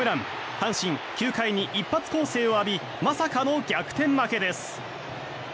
阪神、９回に一発攻勢を浴びまさかの逆転負けです。